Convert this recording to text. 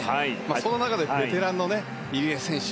その中でベテランの入江選手。